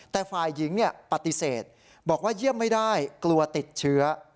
แต่ฝ่ายหญิงปฏิเสธบอกว่าเยี่ยมไม่ได้กลัวติดเชื้อ